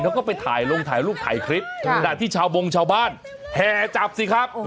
เขาก็ไปถ่ายลงถ่ายรูปถ่ายคลิปขณะที่ชาวบงชาวบ้านแห่จับสิครับ